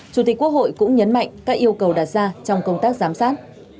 chủ tịch quốc hội cũng nhấn mạnh các yêu cầu đặt ra trong công tác giám sát